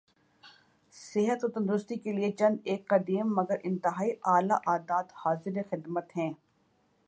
صحت و تندرستی کیلئے چند ایک قدیم مگر انتہائی اعلی عادات حاضر خدمت ہیں